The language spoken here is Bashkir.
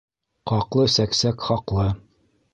Ҡаҡлы сәксәк хаҡлы.